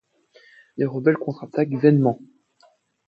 Les rebelles contre-attaquent vainement.